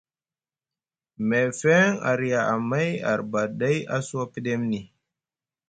Meefeŋ a riya amay arbaɗi ɗay a suwa pɗemni.